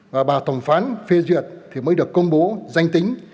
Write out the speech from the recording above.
và bà tổng phán phê duyệt thì mới được công bố danh tính